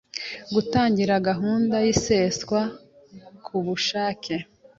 gutangira gahunda y iseswa ku bushake